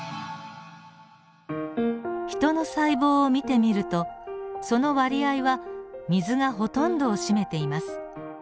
ヒトの細胞を見てみるとその割合は水がほとんどを占めています。